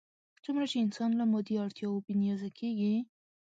څومره چې انسان له مادي اړتیاوو بې نیازه کېږي.